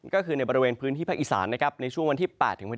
ก็คือในบริเวณพื้นที่ภาคอีสานในช่วงวันที่๘๙